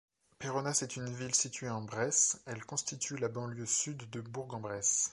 Péronnas est une ville situé en Bresse, elle constitue la banlieue sud de Bourg-en-Bresse.